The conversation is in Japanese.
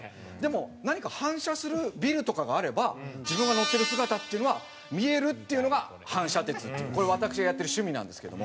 でも何か反射するビルとかがあれば自分が乗ってる姿っていうのは見えるっていうのが反射鉄これ私がやってる趣味なんですけども。